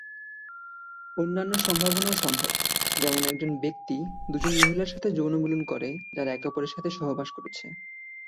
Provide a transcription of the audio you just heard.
অন্যান্য সম্ভাবনাও সম্ভব, যেমন একজন ব্যক্তি দু'জন মহিলার সাথে যৌন মিলন করে যারা একে অপরের সাথে সহবাস করছে।